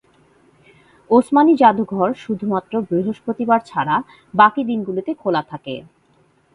ওসমানী জাদুঘর শুধুমাত্র বৃহস্পতিবার ছাড়া বাকি দিনগুলোতে খোলা থাকে।